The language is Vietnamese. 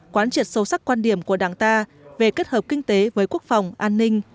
quán triệt sâu sắc quan điểm của đảng ta về kết hợp kinh tế với quốc phòng an ninh